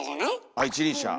あ一輪車。